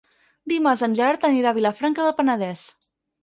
Dimarts en Gerard anirà a Vilafranca del Penedès.